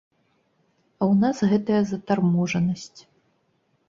А ў нас гэтая затарможанасць.